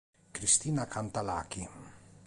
Cristina canta "Lucky".